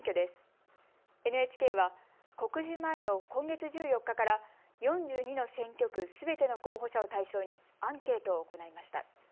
ＮＨＫは告示前の今月１４日から４２の選挙区すべての候補者を対象にアンケートを行いました。